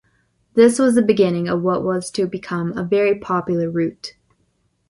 This was the beginning of what was to become a very popular route.